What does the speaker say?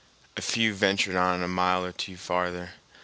A few ventured on a mile or two farther.